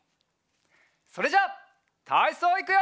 それじゃたいそういくよ。